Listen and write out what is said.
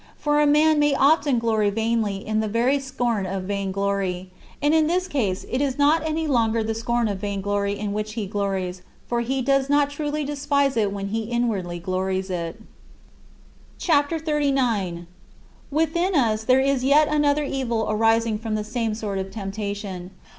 For a man may often glory vainly in the very scorn of vainglory and in this case it is not any longer the scorn of vainglory in which he glories, for he does not truly despise it when he inwardly glories in it. CHAPTER XXXIX 64. Within us there is yet another evil arising from the same sort of temptation.